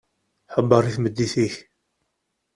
Ḥebber i tmeddit-ik.